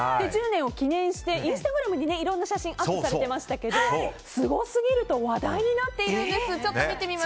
１０年を記念してインスタグラムにいろんな写真をアップされてましたけどすごすぎると話題になっているんです。